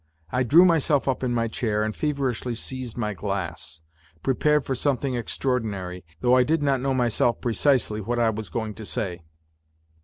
I drew myself up in my chair and feverislily seized my glass, prepared for something extraordinary, though I did not know myself precisely wh. I was going to say.